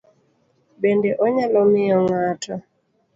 Bende onyalo miyo ng'ato